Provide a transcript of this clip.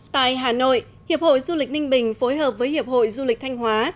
tại hà nội hiệp hội du lịch ninh bình phối hợp với hiệp hội du lịch thanh hóa